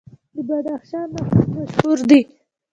د بدخشان نخود مشهور دي.